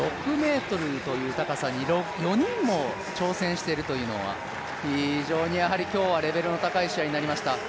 ６ｍという高さに４人も挑戦しているというのは、非常に今日はレベルの高い試合になりました。